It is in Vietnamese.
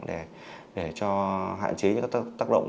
để hạn chế những tác động